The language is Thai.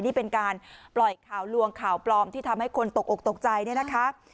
นี่เป็นการปล่อยข่าวลวงข่าวปลอมที่ทำให้คนตกอกตกใจเนี่ยนะคะ